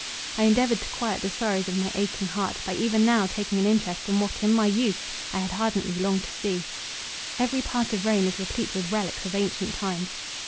I endeavoured to quiet the sorrows of my aching heart, by even now taking an interest in what in my youth I had ardently longed to see. Every part of Rome is replete with relics of ancient times.